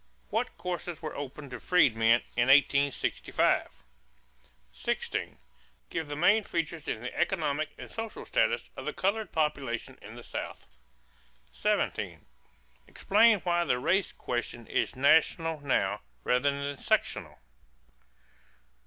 What courses were open to freedmen in 1865? 16. Give the main features in the economic and social status of the colored population in the South. 17. Explain why the race question is national now, rather than sectional.